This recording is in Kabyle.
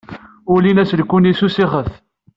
Ulin aseklu-nni s usixef.